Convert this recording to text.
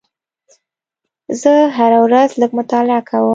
زه هره ورځ لږ مطالعه کوم.